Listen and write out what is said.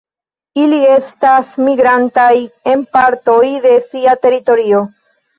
Ili estas migrantaj en partoj de sia teritorio.